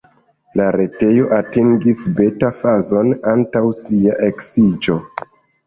La retejo atingis beta-fazon antaŭ sia eksiĝo.